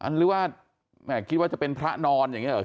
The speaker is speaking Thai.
หรือว่าแม่คิดว่าจะเป็นพระนอนอย่างนี้หรอ